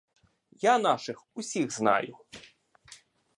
Я наших усіх знаю.